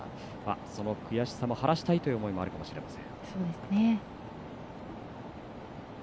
その悔しさを晴らしたいという思いもあるかもしれません。